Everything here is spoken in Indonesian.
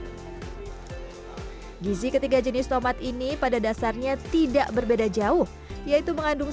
gizi ketiga jenis tomat ini pada dasarnya tidak berbeda jauh yaitu mengandung